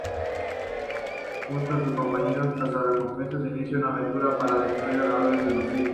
Junto a sus compañeros cazarrecompensas, iniciara una aventura para destruir la orden Sith.